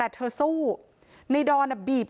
มันนี่เอากุญแจมาล้อมมันนี่อ่ะ